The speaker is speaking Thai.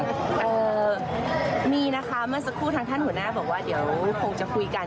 เอ่อมีนะคะเมื่อสักครู่ทางท่านหัวหน้าบอกว่าเดี๋ยวคงจะคุยกัน